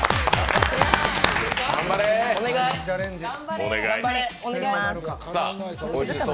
お願い。